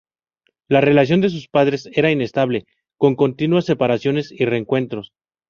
La relación de sus padres era inestable, con continuas separaciones y reencuentros.